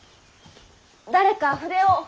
誰か筆を。